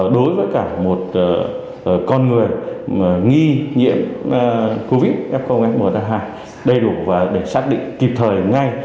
đối với cả một con người nghi nhiễm covid một mươi chín f f một a hai đầy đủ và để xác định kịp thời ngay